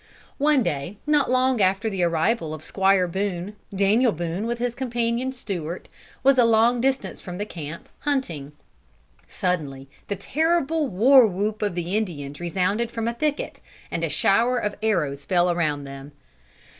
One day, not long after the arrival of Squire Boone, Daniel Boone, with his companion Stewart, was a long distance from the camp, hunting. Suddenly the terrible war whoop of the Indians resounded from a thicket, and a shower of arrows fell around them.